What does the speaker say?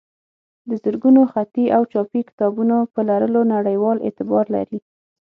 د زرګونو خطي او چاپي کتابونو په لرلو نړیوال اعتبار لري.